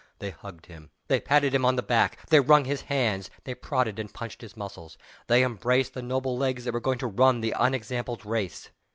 They hugged him. They patted him on the back. They wrung his hands. They prodded and punched his muscles. They embraced the noble legs that were going to run the unexampled race.